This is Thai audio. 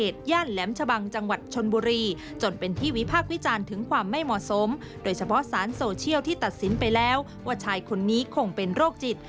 ที่ตัดสินไปแล้วว่าชายคนนี้คงเป็นโรคจิต